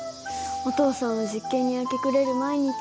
お父さんは実験に明け暮れる毎日。